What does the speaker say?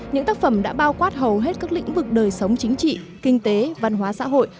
những tác phẩm đã bao quát hầu hết các lĩnh vực đời sống chính trị kinh tế văn hóa xã hội